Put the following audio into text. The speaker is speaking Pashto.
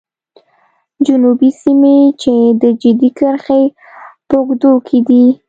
جنوبي سیمو چې د جدي کرښې په اوږدو کې دي.